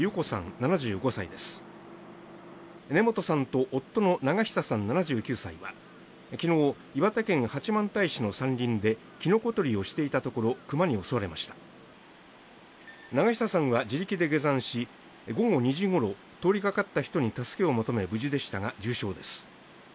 ７５歳です根本さんと夫の長久さん７９歳昨日、岩手県八幡平市の山林でキノコ採りをしていたところクマに襲われました長久さんは自力で下山し午後２時ごろ通りかかった人に助けを求め無事でしたが重傷です